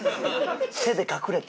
手で隠れて。